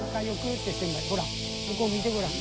ほら向こう向いてごらん。